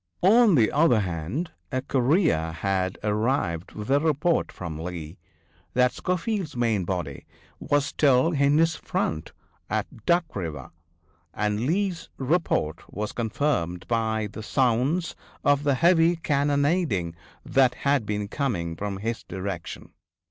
On the other hand, a courier had arrived with a report from Lee that Schofield's main body was still in his front at Duck river, and Lee's report was confirmed by the sounds of the heavy cannonading that had been coming from his direction.